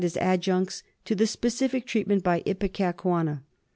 205 as adjuncts to the specific treatment by Ipecacuanha.